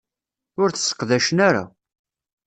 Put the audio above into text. Ur t-sseqdacen ara.